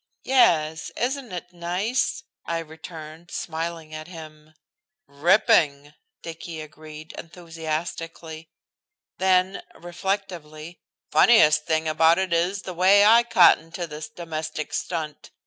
"Yes! Isn't it nice?" I returned, smiling at him. "Ripping!" Dicky agreed enthusiastically. Then, reflectively, "Funniest thing about it is the way I cotton to this domestic stunt.